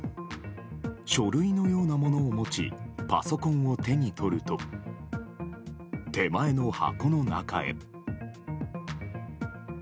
書類のようなものを持ちパソコンを手に取ると手前の箱の中へ。